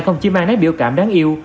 không chỉ mang nét biểu cảm đáng yêu